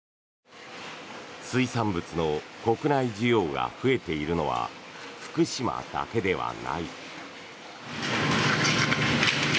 水産物の国内需要が増えているのは福島だけではない。